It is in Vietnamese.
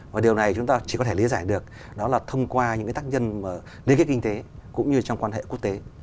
và điều này chúng ta chỉ có thể lý giải được đó là thông qua những tác nhân liên kết kinh tế cũng như trong quan hệ quốc tế